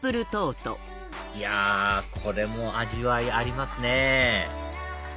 いやこれも味わいありますね